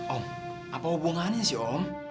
om apa hubungannya sih om